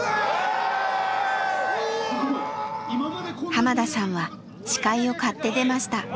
濱田さんは司会を買って出ました。